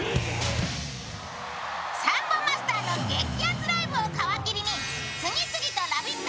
サンボマスターの激熱ライブを皮切りに、次々とラヴィット！